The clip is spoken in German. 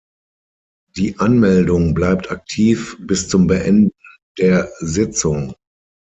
Die Anmeldung bleibt aktiv bis zum Beenden der Sitzung.